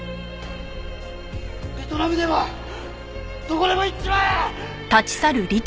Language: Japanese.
ベトナムでもどこでも行っちまえ！